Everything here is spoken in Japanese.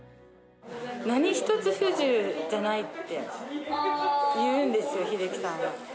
何一つ不自由じゃないって言うんですよ、秀樹さんは。